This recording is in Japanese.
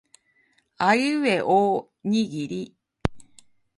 あいうえおおにぎり